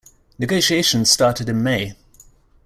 Negotiations started in May.